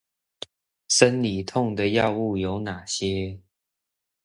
生理痛的藥物有哪些？